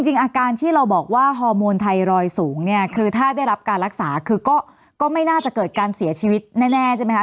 จริงอาการที่เราบอกว่าฮอร์โมนไทรอยด์สูงเนี่ยคือถ้าได้รับการรักษาคือก็ไม่น่าจะเกิดการเสียชีวิตแน่ใช่ไหมคะ